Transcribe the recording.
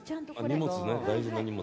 荷物ね大事な荷物。